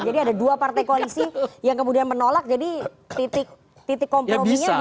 jadi ada dua partai koalisi yang kemudian menolak jadi titik komprominya di gibran